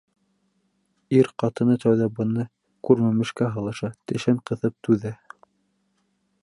Ир ҡатыны тәүҙә быны күрмәмешкә һалыша, тешен ҡыҫып түҙә.